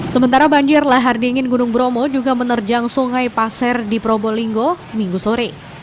sementara banjir lahar dingin gunung bromo juga menerjang sungai pasir di probolinggo minggu sore